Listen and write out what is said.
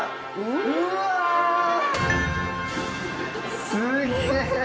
うわ！すげ！